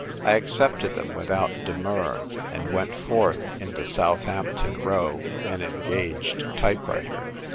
I accepted them without demur, and went forth into Southampton Row an engaged type writer.